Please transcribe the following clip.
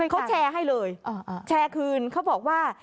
เขาแชร์ให้เลยแชร์คืนเขาบอกว่า